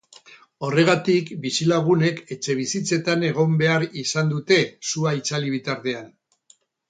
Horregatik, bizilagunek etxebizitzetan egon behar izan dute, sua itzali bitartean.